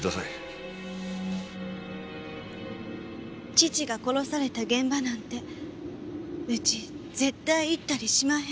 父が殺された現場なんてうち絶対行ったりしまへん。